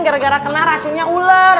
gara gara kena racunnya ular